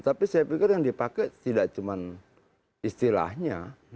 tapi saya pikir yang dipakai tidak cuma istilahnya